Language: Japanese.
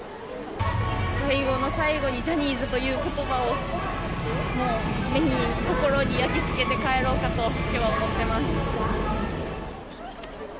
最後の最後にジャニーズということばをもう目に、心に焼き付けて帰ろうかときょうは思ってます。